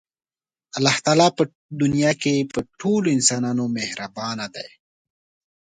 الله تعالی په دنیا کې په ټولو انسانانو مهربانه دی.